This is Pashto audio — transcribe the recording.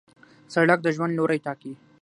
سړک د ژوند لوری ټاکي.